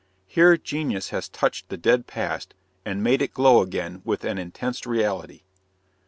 Here genius has touched the dead past and made it glow again with an intense reality.